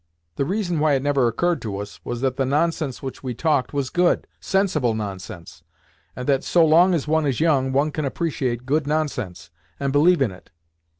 The reason why it never occurred to us was that the nonsense which we talked was good, sensible nonsense, and that, so long as one is young, one can appreciate good nonsense, and believe in it.